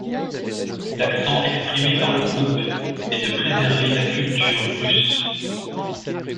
L'accent exprimé par le groupe est de préserver la culture russe.